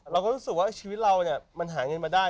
เราก็รู้สึกว่าชีวิตเรามันหาเงินมาได้